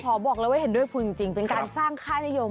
ผมทอบอกแล้วว่าเห็นด้วยพลจริงเป็นการสร้างค่านิยม